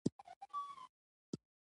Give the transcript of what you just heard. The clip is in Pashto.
لاندې په چمن کې ماشومانو لوبې کولې.